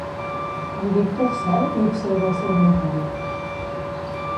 El Víctor seu i observa al seu voltant.